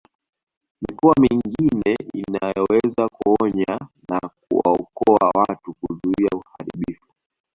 Mikoa mingine inaweza kuonya na kuwaokoa watu kuzuia uharibifu